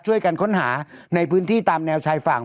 ช่วยกันค้นหาในพื้นที่ตามแนวชายฝั่ง